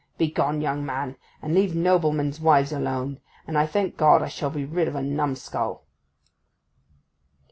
Begone, young man, and leave noblemen's wives alone; and I thank God I shall be rid of a numskull!